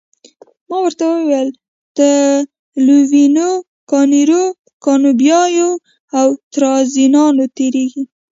ما ورته وویل تر لویینو، کانیرو، کانوبایو او ترانزانو تیریږئ.